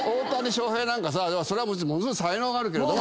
そりゃものすごい才能があるけれども。